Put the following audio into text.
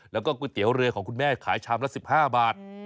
แล้วก็ก๋วยเตี๋ยวเรือของคุณแม่ขายชามละ๑๕บาท